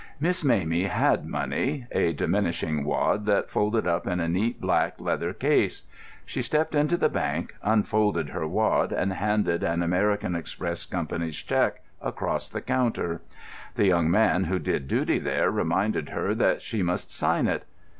Miss Mamie had money, a diminishing wad that folded up in a neat black leather case. She stepped into the bank, unfolded her wad, and handed an American Express Company's cheque across the counter. The young man who did duty there reminded her that she must sign it.